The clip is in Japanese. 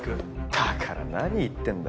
だから何言ってんだ。